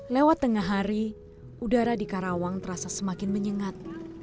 lewat tengah hari udara di karawang terasa semakin menyengat